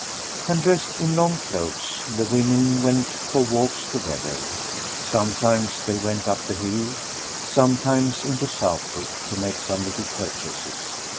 And, dressed in long cloaks, the women went for walks together; sometimes they went up the hill, sometimes into Southwick to make some little purchases.